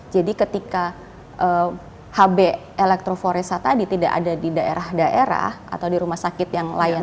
jadi ketika hb electrophoresa tadi tidak ada di daerah daerah atau di rumah sakit yang lain